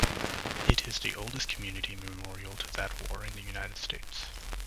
It is the oldest community memorial to that war in the United States.